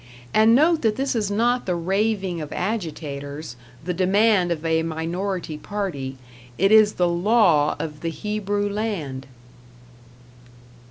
And note that this is not the raving of agitators, the demand of a minority party; it is the law of the Hebrew land.